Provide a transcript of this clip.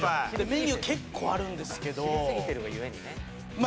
メニュー結構あるんですけど。